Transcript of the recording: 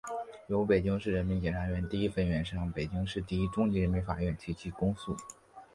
由北京市人民检察院第一分院向北京市第一中级人民法院提起公诉